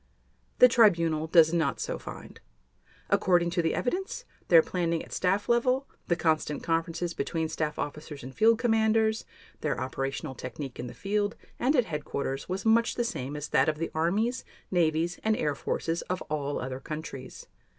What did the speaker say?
The Tribunal does not so find. According to the evidence, their planning at staff level, the constant conferences between staff officers and field commanders, their operational technique in the field and at headquarters was much the same as that of the armies, navies, and air forces of all other countries.